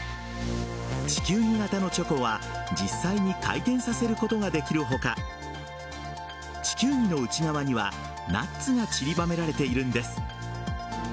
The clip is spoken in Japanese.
地球儀形のチョコは実際に回転させることができる他地球儀の内側にはナッツがちりばめられているんです。